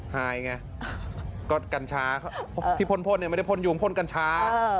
ไห้ไงก็กัญชาเขาที่พ่นพ่นเนี้ยไม่ได้พ่นยุงพ่นกัญชาเออ